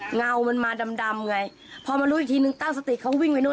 เงามันมาดำดำไงพอมารู้อีกทีนึงตั้งสติเขาวิ่งไปนู่น